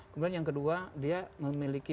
kemudian yang kedua dia memiliki